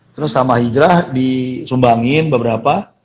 terus sama hijrah disumbangin beberapa